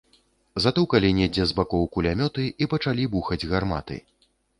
Затукалі недзе з бакоў кулямёты, і пачалі бухаць гарматы.